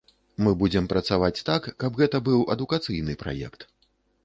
Мы будзем працаваць так, каб гэта быў адукацыйны праект.